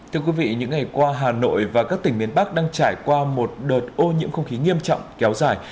thưa quý vị những ngày qua hà nội và các tỉnh miền bắc đang trải qua một đợt ô nhiễm không khí nghiêm trọng kéo dài